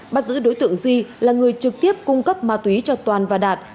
bắt giữ đối tượng di là người trực tiếp cung cấp ma túy cho toàn và đạt